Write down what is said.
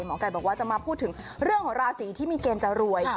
หมอไก่บอกว่าจะมาพูดถึงเรื่องของราศีที่มีเกณฑ์จะรวย